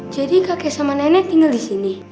jadi kakek sama nenek tinggal di sini